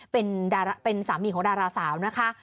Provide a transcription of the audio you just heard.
เป็นสามีของดาราสาวนะคะ